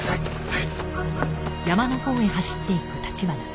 はい。